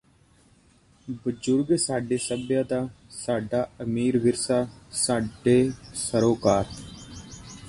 ਬਜੁਰਗ ਸਾਡੀ ਸਭਿਅਤਾ ਸਾਡਾ ਅਮੀਰ ਵਿਰਸਾ ਸਾਡੇ ਸਰੋਕਾਰ